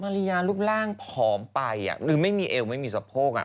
ริยารูปร่างผอมไปหรือไม่มีเอวไม่มีสะโพก